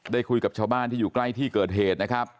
คุยกับชาวบ้านที่อยู่ใกล้ที่เกิดเหตุนะครับ